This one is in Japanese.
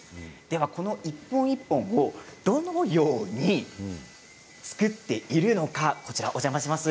この一本一本をどのように作っているのか、お邪魔します。